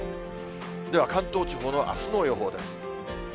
では関東地方のあすの予報です。